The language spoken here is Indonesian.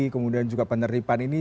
kemudian juga penerimaan ini